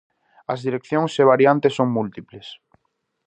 As direccións e variantes son múltiples.